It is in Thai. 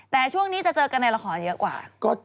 แต่ช่วงนี้จะเจอกันในละครเยอะกว่า